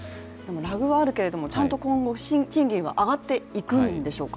ラグはあるけど今後ちゃんと賃金は上がっていくんでしょうか？